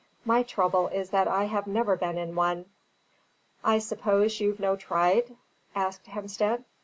"My trouble is that I have never been in one." "I suppose you've no tryde?" asked Hemstead.